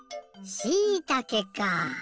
しいたけか！